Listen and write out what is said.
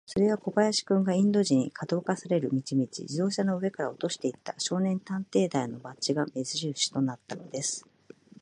それは小林君が、インド人に、かどわかされる道々、自動車の上から落としていった、少年探偵団のバッジが目じるしとなったのです。